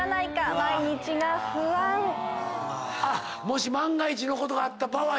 もし万が一のことがあった場合。